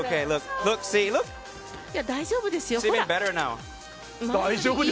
大丈夫ですよ。